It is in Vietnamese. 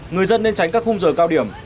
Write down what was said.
người dân nên tránh các khung giờ cao điểm